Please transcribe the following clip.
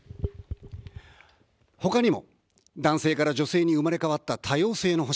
他にも、男性から女性に生まれ変わった多様性の星。